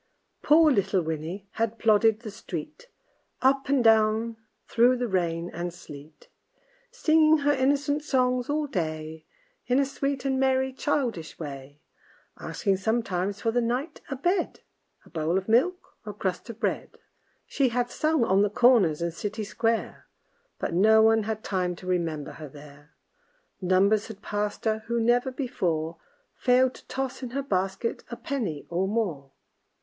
Poor little Winnie had plodded the street, Up and down through the rain and sleet, Singing her innocent songs all day, In a sweet and merry childish way; Asking sometimes for the night a bed, A bowl of milk, or a crust of bread. She had sung on the corners and city square, But no one had time to remember her there; Numbers had passed her who never before Failed to toss in her basket a penny or more.